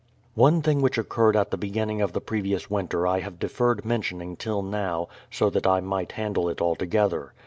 One thing which occurred at the beginning of the pre vious winter I have deferred mentioning till now, so that I might handle it altogether.